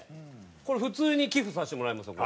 これ普通に寄付させてもらいますよ。